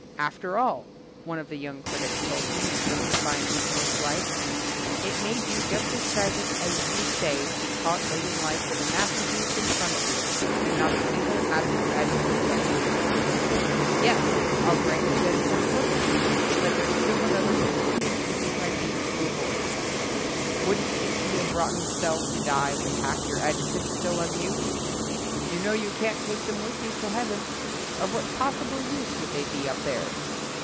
"After all," one of the young critics told me in justifying his mode of life, "it may be just as tragic as you say to be caught late in life with a masterpiece in front of you and not a single adequate adjective left in your purse. Yes, I'll grant you that it's unfortunate. But there's still another contingency which I mean to avoid. Wouldn't it be a rot ten sell to die with half your adjec tives still unused? You know you can't take them with you to heaven. Of what possible use would they be up there?